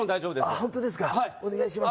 ホントですかお願いします